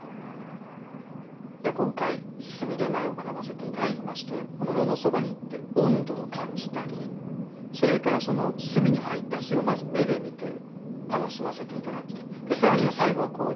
今回炭手前を学ばせて頂きましてこの炉のそばに行って温度を感じたりそれからその炭に入った火をまず目で見て楽しませて頂き更には最後は香で嗅覚も。